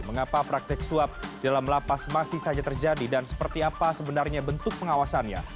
mengapa praktik suap di dalam lapas masih saja terjadi dan seperti apa sebenarnya bentuk pengawasannya